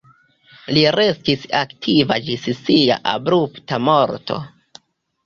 Li restis aktiva ĝis sia abrupta morto.